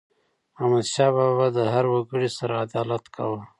احمدشاه بابا به د هر وګړي سره عدالت کاوه.